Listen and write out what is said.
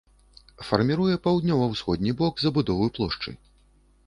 Фарміруе паўднёва-ўсходні бок забудовы плошчы.